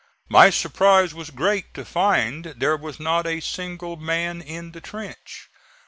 My surprise was great to find there was not a single man in the trench.